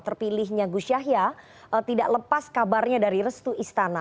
terpilihnya gus yahya tidak lepas kabarnya dari restu istana